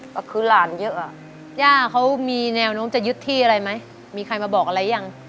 ก็คือหลานเยอะอ่ะย่าเขามีแนวโน้มจะยึดที่อะไรไหมมีใครมาบอกอะไรยัง